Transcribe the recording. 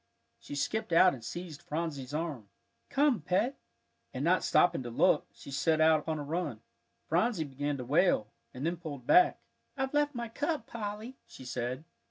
She skipped out and seized Phronsie's arm. "Come, Pet," and not stopping to look, she set out upon a run. Phronsie began to wail, and then pulled back. "I've left my cup, Polly," she said.